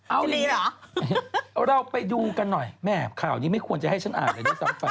เอาเลยเหรอเราไปดูกันหน่อยแม่ข่าวนี้ไม่ควรจะให้ฉันอ่านเลยด้วยซ้ำไป